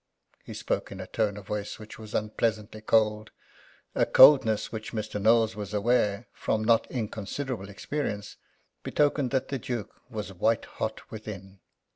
He spoke in a tone of voice which was unpleasantly cold a coldness which Mr. Knowles was aware, from not inconsiderable experience, betokened that the Duke was white hot within.